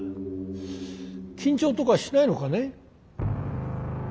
緊張とかしないのかね？